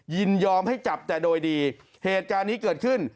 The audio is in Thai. ยินยอมให้จับแต่โดยดีเหตุการณ์นี้เกิดขึ้น